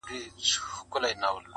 • نور به د کابل دحُسن غله شړو..